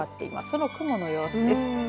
その雲の様子です。